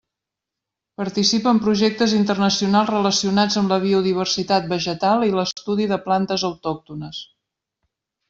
Participa en projectes internacionals relacionats amb la biodiversitat vegetal i l'estudi de plantes autòctones.